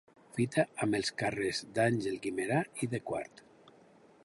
Fita amb els carrers d'Àngel Guimerà i de Quart.